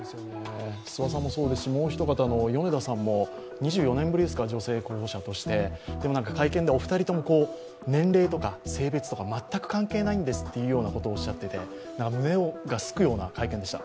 諏訪さんもそうですしもう一方の米田さんも、２４年ぶりですか、女性候補者としてでもなんか会見ではお二人とも年齢とか性別とか全く関係ないんですということをおっしゃってて胸がすくような会見でした。